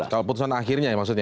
kalau putusan akhirnya ya maksudnya